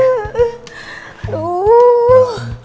masih ada yang nunggu